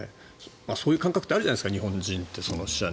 そういう感覚ってあるじゃないですか日本人って。